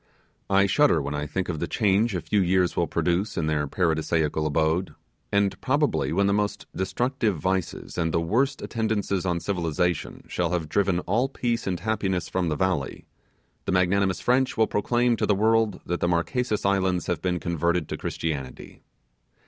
I shudder when I think of the change a few years will produce in their paradisaical abode; and probably when the most destructive vices, and the worst attendances on civilization, shall have driven all peace and happiness from the valley, the magnanimous French will proclaim to the world that the Marquesas Islands have been converted to Christianity!